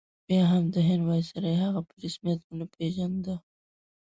بیا هم د هند ویسرا هغه په رسمیت ونه پېژانده.